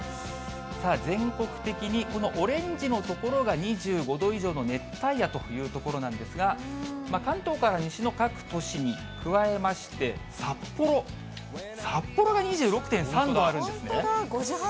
全国的にこのオレンジの所が２５度以上の熱帯夜という所なんですが、関東から西の各都市に加えまして、札幌、札幌が２６．３度あるんですね。